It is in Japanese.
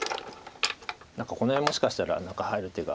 この辺もしかしたら何か入る手が。